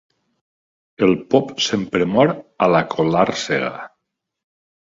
El pop sempre mor a la colàrsega.